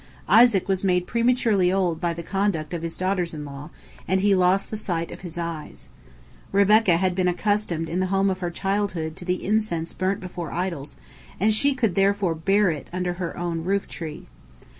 Isaac was made prematurely old by the conduct of his daughters in law, and he lost the sight of his eyes. Rebekah had been accustomed in the home of her childhood to the incense burnt before idols, and she could therefore bear it under her own roof tree.